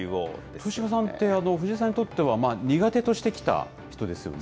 豊島さんって藤井さんにとっては苦手としてきた人ですよね。